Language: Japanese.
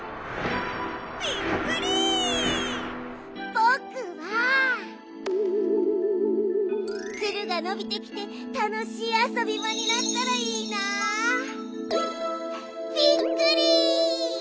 ぼくはツルがのびてきてたのしいあそびばになったらいいな！びっくり！